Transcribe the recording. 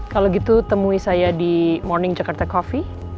kalau gitu temui saya di morning jakarta coffee